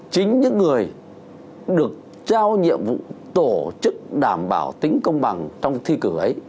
chính những người được trao nhiệm vụ tổ chức đảm bảo tính công bằng trong thi cử ấy